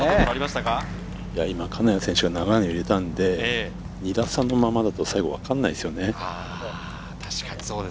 金谷選手が長いのを入れたので、２打差のままだと最後わからないですよね。